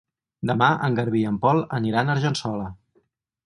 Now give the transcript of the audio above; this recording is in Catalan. Demà en Garbí i en Pol aniran a Argençola.